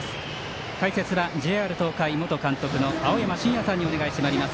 解説はＪＲ東海元監督の青山眞也さんにお願いしてまいります。